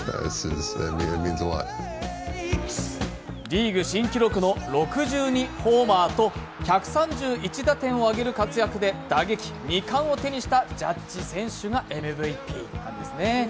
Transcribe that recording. リーグ新記録の６２ホーマーと１３１打点をあげる活躍で打撃２冠を手にしたジャッジ選手がＭＶＰなんですね。